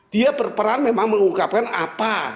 dia berperan memang mengungkapkan apa